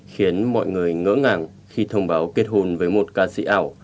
khiến mọi người ngỡ ngàng khi thông báo kết hôn với một ca sĩ ảo